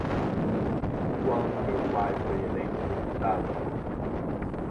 Quando meu pai foi eleito deputado